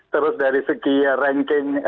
terus dari segi ranking